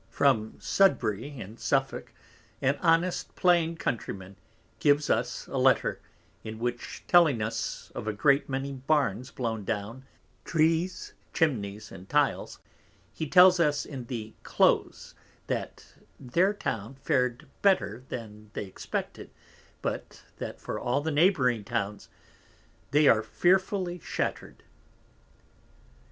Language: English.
From Sudbury in Suffolk_, an honest plain Countryman gives us a Letter, in which telling us of a great many Barns blown down, Trees, Chimneys and Tiles, he tells us in the Close, that their Town fared better than they expected, but that for all the neighbouring Towns they are fearfully shatter'd.